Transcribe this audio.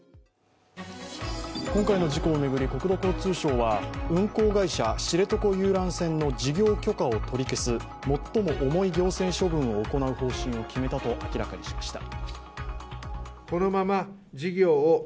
今回の事故を巡り国土交通省は運航会社・知床遊覧船の事業許可を取り消す最も重い行政処分を行う方針を決めたと明らかにしました。